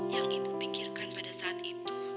yang ibu pikirkan pada saat itu